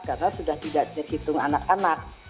karena sudah tidak disitung anak anak